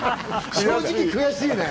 正直悔しいね。